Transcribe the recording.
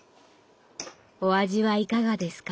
お味はいかがですか？